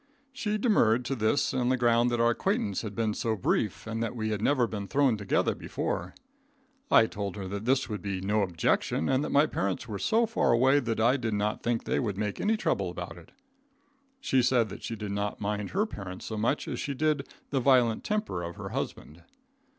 She demurred to this on the ground that our acquaintance had been so brief, and that we had never been thrown together before. I told her that this would be no objection, and that my parents were so far away that I did not think they would make any trouble about it. She said that she did not mind her parents so much as she did the violent temper of her husband.